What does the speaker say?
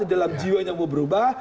dalam jiwanya mau berubah